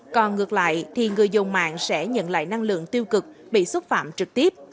còn ngược lại thì người dùng mạng sẽ nhận lại năng lượng tiêu cực bị xúc phạm trực tiếp